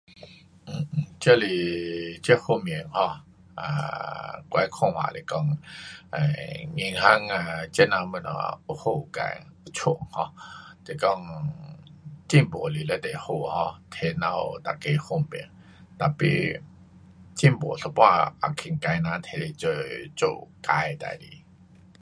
um 这是，这方面啊，um 我看来讲，银行这那东西有好有坏，因此 um 进步是非常好 um 给我们每个方便。tapi 进步一半儿也给坏人拿去这做坏的事情。